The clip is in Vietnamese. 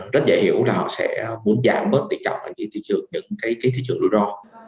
rất dễ hiểu là họ sẽ muốn giảm bớt tiết trọng ở những cái thị trường rủi ro